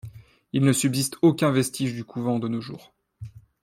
Il ne subsiste aucun vestige du couvent de nos jours.